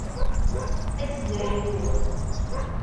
Ad d-zziɣ yiwen n wass.